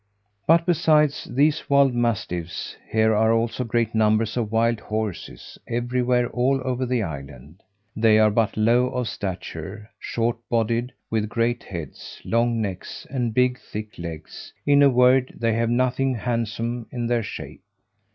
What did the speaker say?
But besides these wild mastiffs, here are also great numbers of wild horses everywhere all over the island: they are but low of stature, short bodied, with great heads, long necks, and big or thick legs: in a word, they have nothing handsome in their shape.